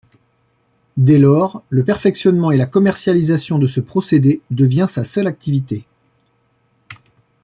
Dès lors, le perfectionnement et la commercialisation de ce procédé devient sa seule activité.